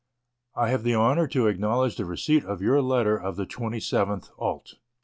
I have the honour to acknowledge the receipt of your letter of the 27th ult.